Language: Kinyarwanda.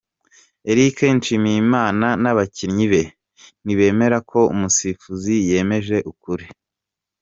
Eric Nshimiyimana n'abakinnyi be ntibemera ko umusifuzi yemeje ukuri.